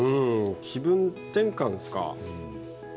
気分転換ですか。